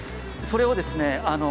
それをですね